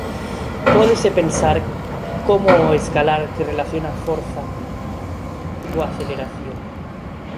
Pódese pensar como o escalar que relaciona a forza coa aceleración.